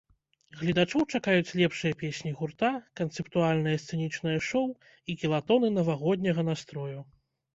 Гледачоў чакаюць лепшыя песні гурта, канцэптуальнае сцэнічнае шоў і кілатоны навагодняга настрою.